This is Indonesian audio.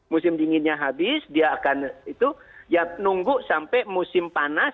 musim dinginnya habis dia akan itu ya nunggu sampai musim panas